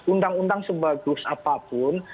undang undang sebagus apapun